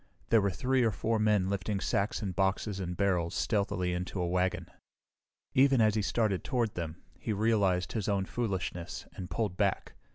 There were three or four men lifting sacks and boxes and barrels stealthily into a wagon. Even as he started toward them he realized his own foolishness and pulled back.